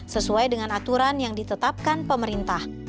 sesuai dengan aturan yang ditetapkan pemerintah